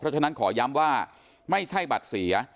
ฉะนั้นขอย้ำว่าไม่ใช่บัตรเสีย